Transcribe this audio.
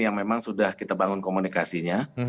yang memang sudah kita bangun komunikasinya